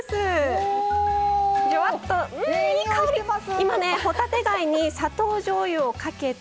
今ね帆立て貝に砂糖じょうゆをかけて。